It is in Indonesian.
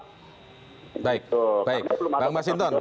pertanyaan saya selanjutnya begini bang masinton